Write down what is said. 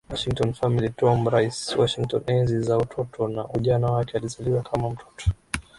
Washington Family Tomb rais Washington enzi za utoto na ujana wake Alizaliwa kama mtoto